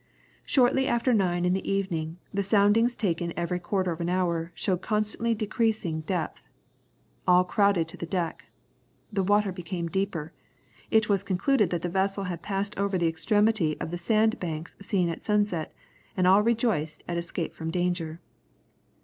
Shortly after nine in the evening the soundings taken every quarter of an hour showed constantly decreasing depth. All crowded to the deck. The water became deeper. It was concluded that the vessel had passed over the extremity of the sand banks seen at sunset, and all rejoiced at escape from danger.